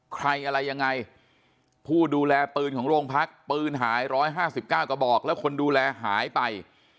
ใครอะไรยังไงผู้ดูแลปืนของโรงพักปืนหาย๑๕๙กระบอกแล้วคนดูแลหายไป